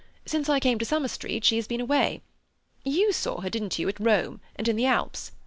Since I came to Summer Street she has been away. You saw her, didn't you, at Rome and in the Alps.